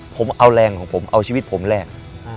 ผมเอาแรงของผมเอาชีวิตผมแลก